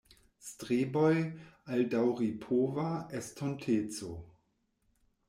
Streboj al daŭripova estonteco"".